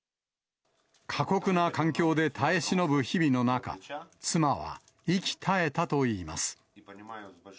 過酷な環境で耐え忍ぶ日々の中、妻は息絶えたといいます。